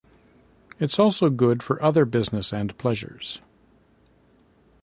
It's also good for other business and pleasures.